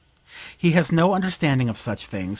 He has no understanding of such things.